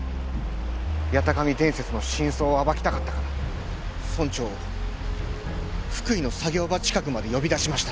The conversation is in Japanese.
八咫神伝説の真相を暴きたかったから村長を福井の作業場近くまで呼び出しました。